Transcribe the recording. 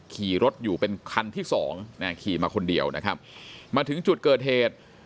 ขี่รถอยู่เป็นคันที่สองขี่มาคนเดียวนะครับมาถึงจุดเกิดเหตุ